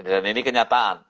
dan ini kenyataan